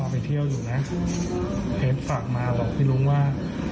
เพลสฝากมาบอกพี่รุ้งว่า